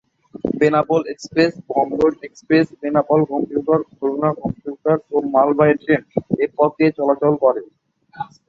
Benapole express, Bandhan express, Benapole commuter, Khulna commuter ও মালবাহী train এই পথ দিয়ে চলাচল করে।